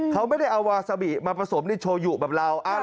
เขาไม่ได้เอาวาซาบิมาผสมในโชยุแบบเรา